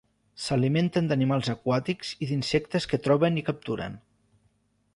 S'alimenten d'animals aquàtics i d'insectes que troben i capturen.